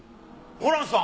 ホランさん